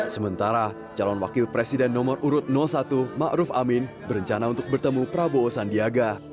sementara calon wakil presiden nomor urut satu ⁇ maruf ⁇ amin berencana untuk bertemu prabowo sandiaga